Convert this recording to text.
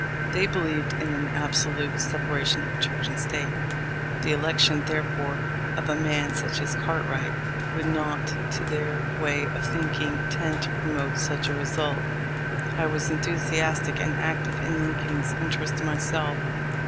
They believed in an absolute separation of Church and State. The election, therefore, of such a man as Cartwright would not, to their way of thinking, tend to promote such a result. I was enthusiastic and active in Lincoln's interest myself.